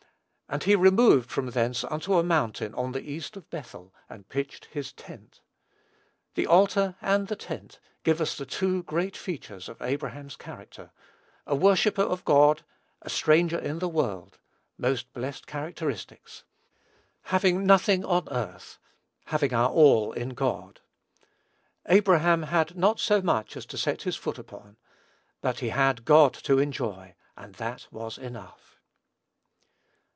"And he removed from thence unto a mountain on the east of Bethel, and pitched his tent." The altar and the tent give us the two great features of Abraham's character. A worshipper of God, a stranger in the world, most blessed characteristics! Having nothing on earth, having our all in God. Abraham had "not so much as to set his foot upon;" but he had God to enjoy, and that was enough.